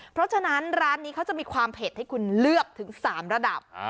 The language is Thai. เพราะฉะนั้นร้านนี้เขาจะมีความเผ็ดให้คุณเลือกถึง๓ระดับ